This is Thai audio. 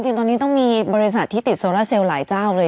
จริงตอนนี้ต้องมีบริษัทที่ติดโซล่าเซลล์หลายเจ้าเลย